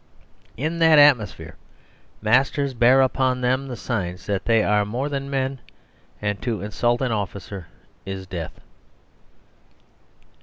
In that atmosphere masters bear upon them the signs that they are more than men; and to insult an officer is death.